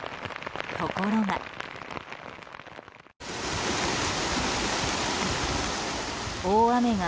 ところが。